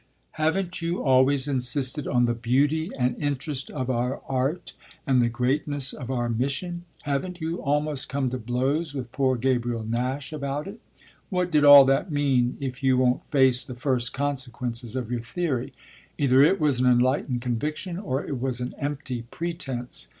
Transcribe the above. "Haven't you always insisted on the beauty and interest of our art and the greatness of our mission? Haven't you almost come to blows with poor Gabriel Nash about it? What did all that mean if you won't face the first consequences of your theory? Either it was an enlightened conviction or it was an empty pretence.